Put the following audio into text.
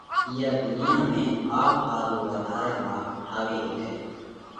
ان ايئا ڌُنيا ۾ آپ ۿارُو وڌارئہ ماڳ ٺاوي هيڪئه۔